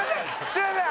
すいません！